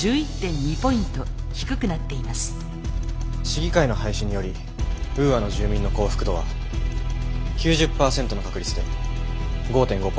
市議会の廃止によりウーアの住民の幸福度は９０％の確率で５．５ポイント上昇します。